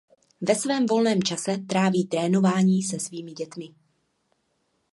Ve svém volném čase tráví trénování se svými dětmi.